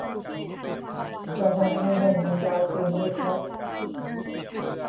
ระวังไม่ให้มันยาวเกินด้วยครับ